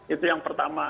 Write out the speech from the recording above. itu yang pertama